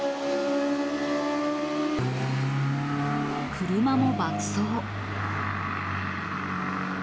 車も爆走。